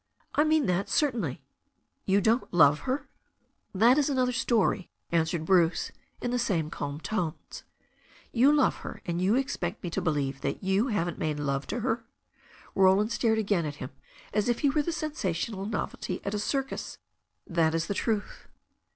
"I mean that, certainly." "You don't love her?" "That is another story," answered Bruce, in the same calm tones. "You love her, and you expect me to believe iVk^al ^^xi. 374 THE STORY OF A NEW ZEALAND RIVER haven't made love to her?" Roland stared again at him as if he were the sensational novelty at a circus. "That is the truth."